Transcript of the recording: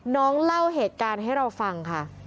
เล่าเหตุการณ์ให้เราฟังค่ะ